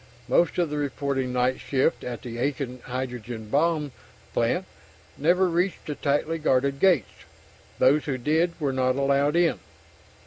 Most of the reporting night shift at the Aiken hydrogen bomb plant never reached the tightly guarded gates. Those who did were not allowed in.